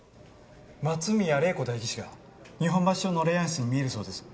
松宮玲子代議士が日本橋署の霊安室に見えるそうです。